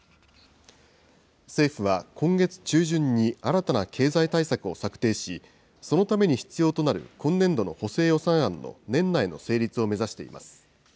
政府は、今月中旬に新たな経済対策を策定し、そのために必要となる今年度の補正予算案の年内の成立を目指しています。